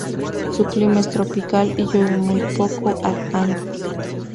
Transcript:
Su clima es tropical y llueve muy poco al año.